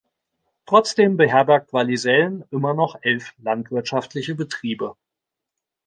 Trotzdem beherbergt Wallisellen immer noch elf landwirtschaftliche Betriebe.